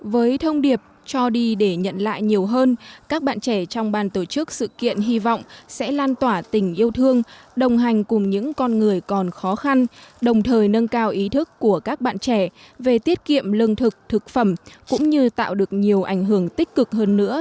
với thông điệp cho đi để nhận lại nhiều hơn các bạn trẻ trong bàn tổ chức sự kiện hy vọng sẽ lan tỏa tình yêu thương đồng hành cùng những con người còn khó khăn đồng thời nâng cao ý thức của các bạn trẻ về tiết kiệm lương thực thực phẩm cũng như tạo được nhiều ảnh hưởng tích cực hơn nữa